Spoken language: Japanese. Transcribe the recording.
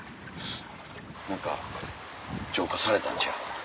何か浄化されたんちゃう？